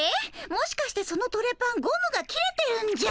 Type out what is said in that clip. もしかしてそのトレパンゴムが切れてるんじゃ？